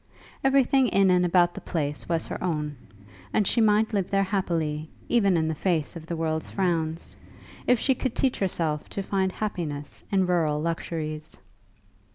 Everything in and about the place was her own, and she might live there happily, even in the face of the world's frowns, if she could teach herself to find happiness in rural luxuries.